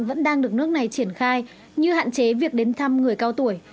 vẫn đang được nước này triển khai như hạn chế việc đến thăm người cao tuổi